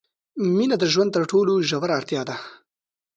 مینه د ژوند تر ټولو ژوره اړتیا ده.